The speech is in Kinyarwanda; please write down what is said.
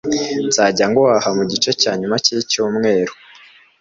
nzajya guhaha mugice cyanyuma cyicyumweru